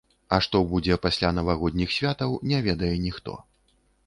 А што будзе пасля навагодніх святаў, не ведае ніхто.